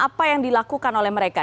apa yang dilakukan oleh mereka